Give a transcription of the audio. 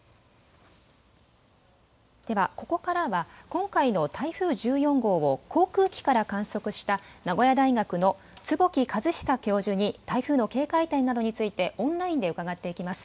ではここからは、今回の台風１４号を航空機から観測した名古屋大学の坪木和久教授に台風の警戒点などについて、オンラインで伺っています。